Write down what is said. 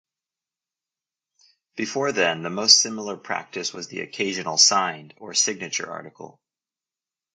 Before then, the most similar practice was the occasional "signed" or "signature" article.